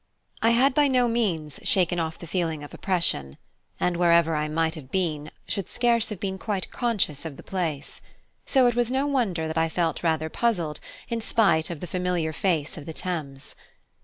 I had by no means shaken off the feeling of oppression, and wherever I might have been should scarce have been quite conscious of the place; so it was no wonder that I felt rather puzzled in despite of the familiar face of the Thames.